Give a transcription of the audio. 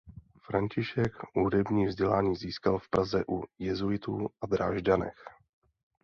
František hudební vzdělání získal v Praze u jezuitů a Drážďanech.